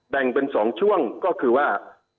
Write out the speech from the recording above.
แบ่งเป็น๒ช่วงก็คือว่า